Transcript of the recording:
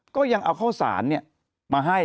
ก็ยังเอาข้าวสารมาให้